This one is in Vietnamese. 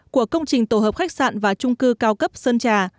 của công trình tổ hợp khách sạn và trung cư cao cấp sơn trà